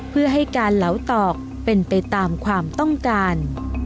เพื่อให้การเหลาตอกเป็นไปตามความต้องการ